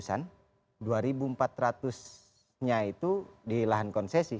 setengahnya itu di lahan konsesi